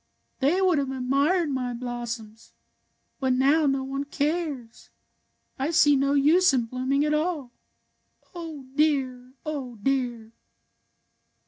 They would have admired my blossoms. But now no one cares. I see no use in blooming at aU. Oh, dear! Oh, dear!